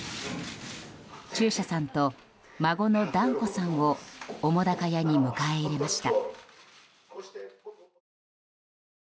中車さんと孫の團子さんを澤瀉屋に迎え入れました。